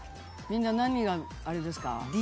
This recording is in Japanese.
みんな何があれですか？